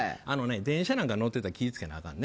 電車に乗ってたら気ぃつけなきゃあかんね。